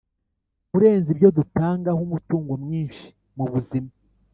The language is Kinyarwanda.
Kurenza ibyo dutangaho umutungo mwinshi mu buzima,